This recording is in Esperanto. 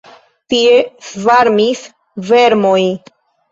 Tie svarmis vermoj.